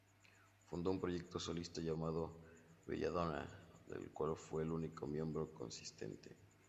Fundó un proyecto solista llamado Belladonna, del cual fue el único miembro consistente.